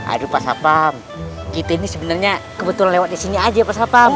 aduh pak sapam kita ini sebenernya kebetulan lewat di sini aja pak sapam